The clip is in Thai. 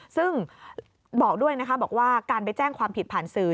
ซึ่งบอกด้วยนะคะบอกว่าการไปแจ้งความผิดผ่านสื่อ